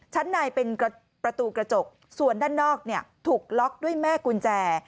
ชั้นในเป็นประตูกระจกส่วนด้านนอกถูกล็อกด้วยแม่กุญแจ